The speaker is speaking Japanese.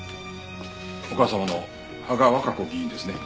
お母様の芳賀和香子議員ですね？